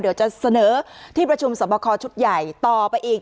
เดี๋ยวจะเสนอที่ประชุมสอบคอชุดใหญ่ต่อไปอีก